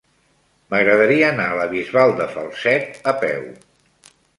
M'agradaria anar a la Bisbal de Falset a peu.